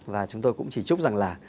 và chúng tôi cũng chỉ chúc rằng là